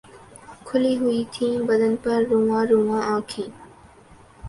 کھُلی ہوئی تھیں بدن پر رُواں رُواں آنکھیں